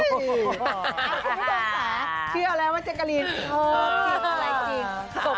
คุณผู้ชมศาเชื่อแล้วว่าเจ๊กะลินจริงอะไรจริง